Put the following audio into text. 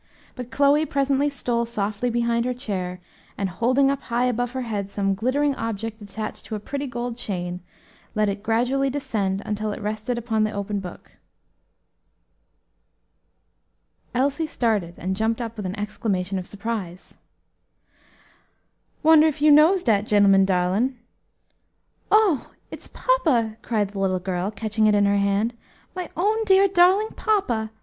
But Chloe presently stole softly behind her chair, and, holding up high above her head some glittering object attached to a pretty gold chain, let it gradually descend until it rested upon the open book. Elsie started and jumped up with an exclamation of surprise. "Wonder if you knows dat gen'leman, darlin'?" laughed Chloe. "Oh! it is papa," cried the little girl, catching it in her hand, "my own dear, darling papa!